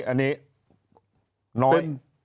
อันนี้น้อย